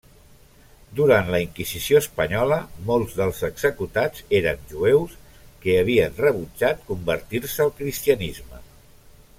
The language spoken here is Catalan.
Durant la inquisició espanyola, molts dels executats eren jueus que havien rebutjat convertir-se al cristianisme.